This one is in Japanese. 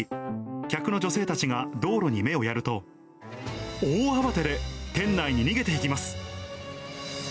客の女性たちが道路に目をやると、大慌てで店内に逃げていきます。